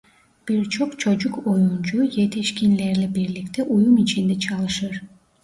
Birçok çocuk oyuncu yetişkinlerle birlikte uyum içinde çalışır.